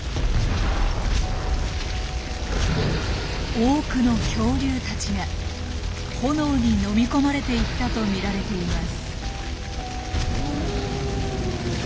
多くの恐竜たちが炎に飲み込まれていったとみられています。